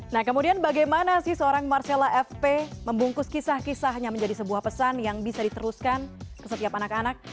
nah kemudian bagaimana sih seorang marcella fp membungkus kisah kisahnya menjadi sebuah pesan yang bisa diteruskan ke setiap anak anak